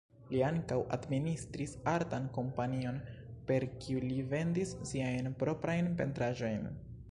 Li ankaŭ administris artan kompanion, per kiu li vendis siajn proprajn pentraĵojn.